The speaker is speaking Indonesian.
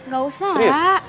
gak usah lah